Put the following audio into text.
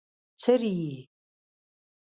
څرې يې؟